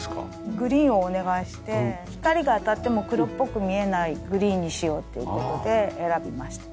グリーンをお願いして光が当たっても黒っぽく見えないグリーンにしようっていう事で選びました。